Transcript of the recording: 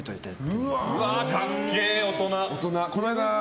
うわ、かっけー大人。